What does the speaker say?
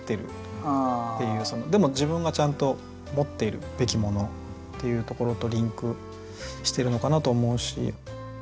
でも自分がちゃんと持っているべきものっていうところとリンクしてるのかなと思うし。